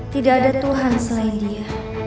tidak ada tuhan selain dia